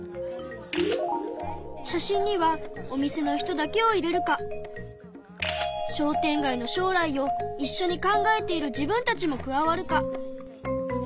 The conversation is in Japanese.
写真にはお店の人だけをいれるか商店街のしょう来をいっしょに考えている自分たちも加わるか。